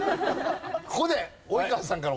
ここで。